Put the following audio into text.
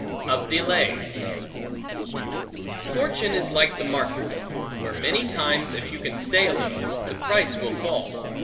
Of Delays FORTUNE is like the market; where many times if you can stay a little, the price will fall.